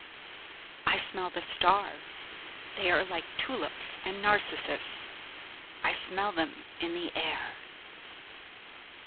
I smell the stars... they are like tulips and narcissus... I smell them in the air.